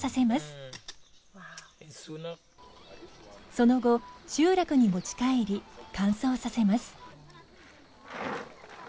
その後集落に持ち帰り乾燥させます。